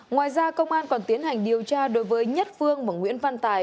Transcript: ngoài ra công an còn tiến hành điều tra đối với nhất phương và nguyễn văn tài